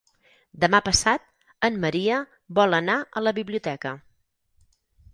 Demà passat en Maria vol anar a la biblioteca.